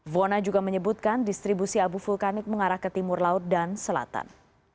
vona juga menyebutkan distribusi abu vulkanik mengarah ke timur laut dan selatan